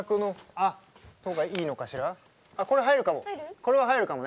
あっこれ入るかも。